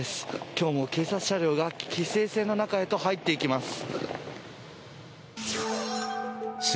今日も警察車両が規制線の中へと入っていきます。